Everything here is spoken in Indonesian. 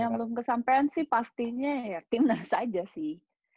yang belum kesampean sih pastinya ya timnas aja sih